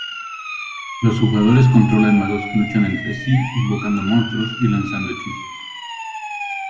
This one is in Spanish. Los jugadores controlan magos que luchan entre sí invocando monstruos y lanzando hechizos.